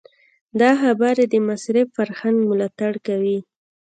دا خبرې د مصرف فرهنګ ملاتړ کوي.